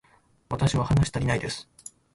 私は話したりないです